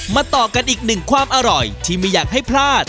ต่อกันอีกหนึ่งความอร่อยที่ไม่อยากให้พลาด